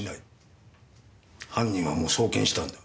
犯人はもう送検したんだ。